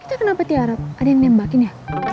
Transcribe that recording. kita kenapa tiarap ada yang nembakin ya